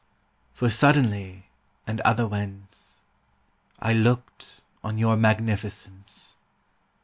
For suddenly, and otherwhence, I looked on your magnificence.